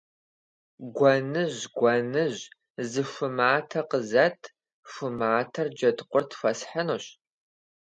Гуэныжь, гуэныжь, зы ху матэ къызэт, ху матэр Джэдкъурт хуэсхьынущ.